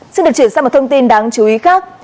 xin được chuyển sang một thông tin đáng chú ý khác